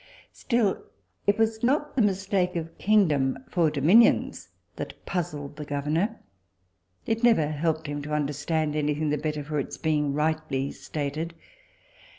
Still it was not the mistake of kingdom for dominions that puzzled the governor. It never helped him to understand any thing the better for its being rightly stated.